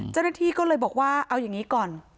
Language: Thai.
เจ้าหน้าที่ก็เลยบอกว่าเอาอย่างนี้ก่อน